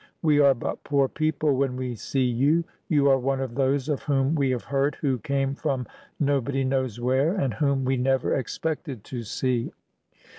We are but poor people when we see you. You are one of those of whom we have heard, who came from nobody knows where, and whom we never expected to see.